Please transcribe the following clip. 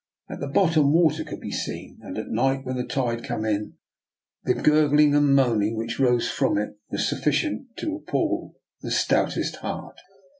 At the bottom water could be seen; and at night, when the tide came in, the gurg ling and moaning which rose from it was suf ficient to appal the stoutest heart.